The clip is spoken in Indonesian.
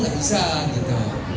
warung tidak bisa